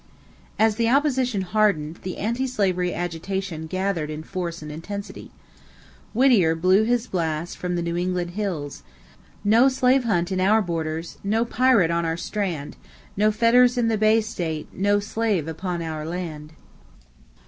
As the opposition hardened, the anti slavery agitation gathered in force and intensity. Whittier blew his blast from the New England hills: "No slave hunt in our borders no pirate on our strand; No fetters in the Bay State no slave upon our land."